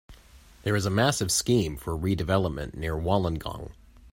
There is a massive scheme for redevelopment near Wollongong.